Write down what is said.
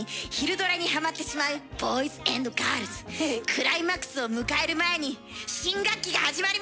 クライマックスを迎える前に新学期が始まります！